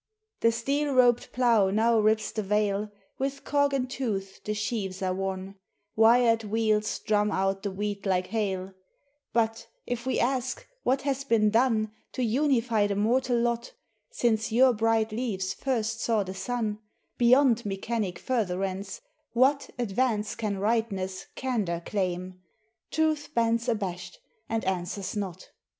The steel roped plough now rips the vale, With cog and tooth the sheaves are won, Wired wheels drum out the wheat like hail; But if we ask, what has been done To unify the mortal lot Since your bright leaves first saw the sun, Beyond mechanic furtherance—what Advance can rightness, candour, claim? Truth bends abashed, and answers not.